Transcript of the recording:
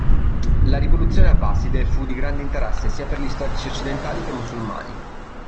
La rivoluzione abbaside fu di grande interesse sia per gli storici occidentali che musulmani.